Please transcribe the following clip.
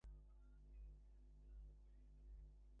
আচ্ছা, যা বল তাই শুনব!